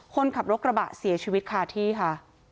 คนขับรถกระบะเสียชีวิตคาที่ค่ะ